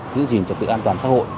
giữ gìn trật tự an toàn xã hội